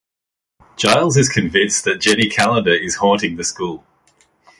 Giles is convinced that Jenny Calendar is haunting the school.